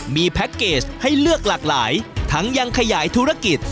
มีแพ็คเกจให้เลือกหลากหลายทั้งยังขยายธุรกิจ